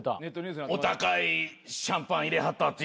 お高いシャンパン入れはったっていう。